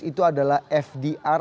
itu adalah fdr